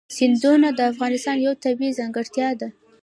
سیندونه د افغانستان یوه طبیعي ځانګړتیا ده.